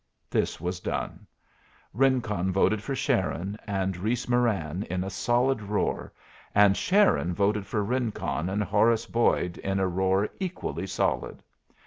This was done. Rincon voted for Sharon and Reese Moran in a solid roar, and Sharon voted for Rincon and Horace Boyd in a roar equally solid.